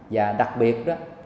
và đặc biệt